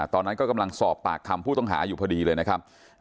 ตอนนั้นก็กำลังสอบปากคำผู้ต้องหาอยู่พอดีเลยนะครับ